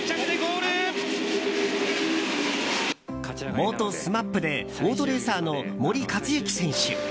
元ＳＭＡＰでオートレーサーの森且行選手。